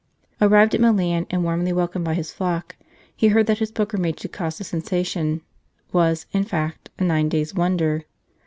Arrived at Milan and warmly welcomed by his flock, he heard that his pilgrimage had caused a sensation was, in fact, a nine days wonder.